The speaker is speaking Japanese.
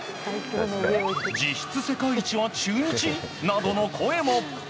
実質世界一は中日？などの声も。